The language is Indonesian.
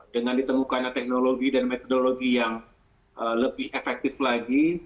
dengan ditemukannya teknologi dan metodologi yang lebih efektif lagi